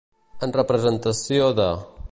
En representació de.